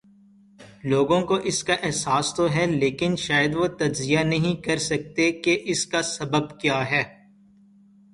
لوگوں کواس کا احساس تو ہے لیکن شاید وہ تجزیہ نہیں کر سکتے کہ اس کا سبب کیا ہے۔